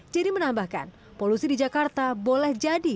jerry menambahkan polusi di jakarta boleh jadi